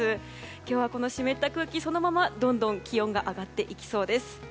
今日はこの湿った空気、どんどん気温が上がっていきそうです。